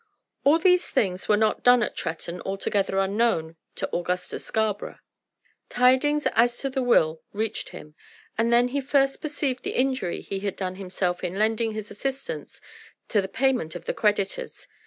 All these things were not done at Tretton altogether unknown to Augustus Scarborough. Tidings as to the will reached him, and then he first perceived the injury he had done himself in lending his assistance to the payment of the creditors.